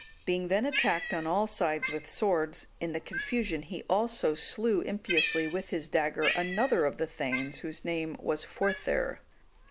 Being then attacked on all sides with swords, in the confusion he also slew impiously with his dagger another of the thegns, whose name was Forthhere.